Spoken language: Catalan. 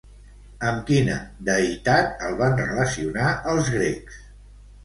Amb quina deïtat el van relacionar els grecs?